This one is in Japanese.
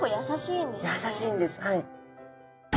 やさしいんですはい。